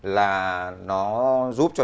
là nó giúp cho